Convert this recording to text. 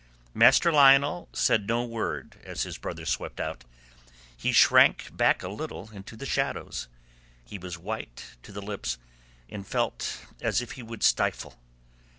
Master Lionel said no word as his brother swept out. He shrank back a little into the shadows. He was white to the lips and felt as he would stifle.